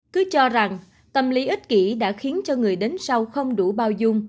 cứ cho rằng tâm lý ích kỷ đã khiến cho người đến sau không đủ bao dung